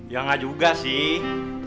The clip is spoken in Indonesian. ya nggak juga sih